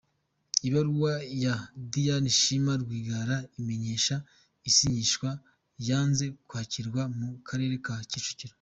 Ibaruwa ya Diane Shima Rwigara imenyesha isinyishwa yanze kwakirwa mu karere ka Kicukiro